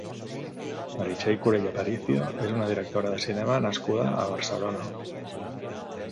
Meritxell Colell Aparicio és una directora de cinema nascuda a Barcelona.